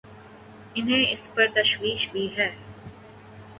انہیں اس پر تشویش بھی ہے۔